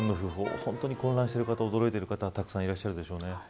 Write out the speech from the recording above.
本当に混乱している方驚いている方、たくさんいらっしゃるでしょうね。